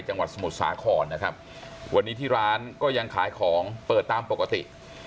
จังหวัดสมุทรสาครนะครับวันนี้ที่ร้านก็ยังขายของเปิดตามปกติ